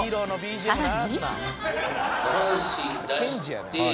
さらに。